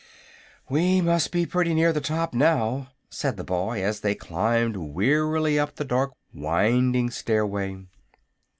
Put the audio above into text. "We must be pretty near the top, now," said the boy, as they climbed wearily up the dark, winding stairway.